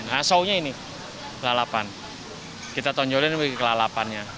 nah saunya ini lalapan kita tonjolin lagi ke lalapannya